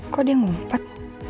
kok dia ngumpet